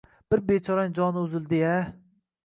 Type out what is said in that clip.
Bir bechoraning joni uzildi-ya.